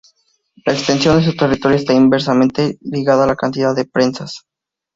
La extensión de su territorio está inversamente ligada a la cantidad de presas.